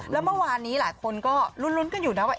แล้วเมื่อวานนี้หลายคนก็ลุ้นกันอยู่นะว่า